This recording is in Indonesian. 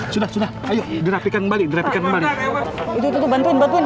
sudah sudah ayo di rapikan balik balik bantuin bantuin